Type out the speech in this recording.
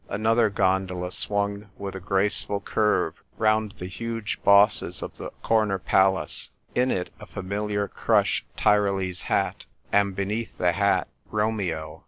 Another gondola swung with a graceful curve round the huge bosses of the corner palace ; in it, a familiar crush Tyrolese hat, and beneath the hat, Romeo.